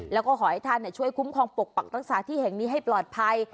แล้วก็ขอให้ท่านช่วยคุ้มครองปกปักรักษาที่แห่งนี้ให้ปลอดภัย